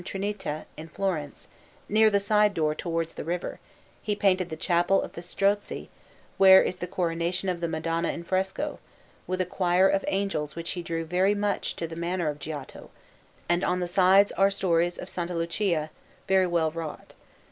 Trinita in Florence, near the side door towards the river, he painted the Chapel of the Strozzi, wherein is the Coronation of the Madonna in fresco, with a choir of angels which draw very much to the manner of Giotto; and on the sides are stories of S. Lucia, very well wrought.